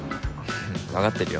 わかってるよ。